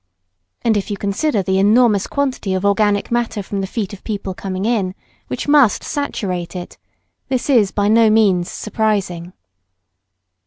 And if you consider the enormous quantity of organic matter from the feet of people coming in, which must saturate it, this is by no means surprising.